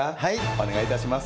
お願いいたします。